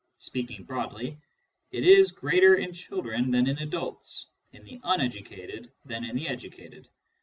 Speaking broadly, it is greater in children than in adults, in the uneducated than in the educated.